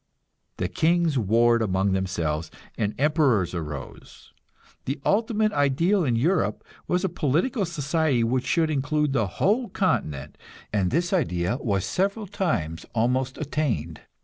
The kings warred among themselves and emperors arose. The ultimate ideal in Europe was a political society which should include the whole continent, and this ideal was several times almost attained.